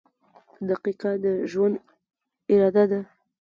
• دقیقه د ژوند اراده ده.